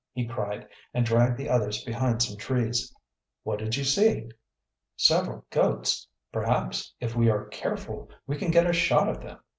he cried, and dragged the others behind some trees. "What did you see?" "Several goats. Perhaps, if we are careful, we can get a shot at them.